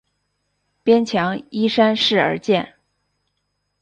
边墙依山势而建。